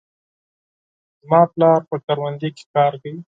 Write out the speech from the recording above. زما پلار په کروندې کې کار کوي.